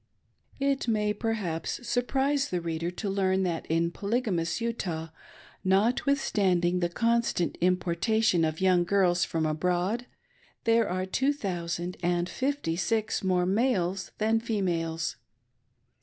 It may, perhaps, surprise the reader to learn that in poly gamous Ut?ih, notwithstanding the constant importation of young girls from abroad, there are two thousand and fifty six more males than females.